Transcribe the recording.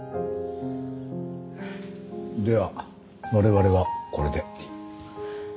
では我々はこれで。